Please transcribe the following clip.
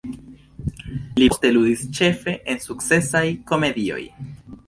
Li poste ludis ĉefe en sukcesaj komedioj.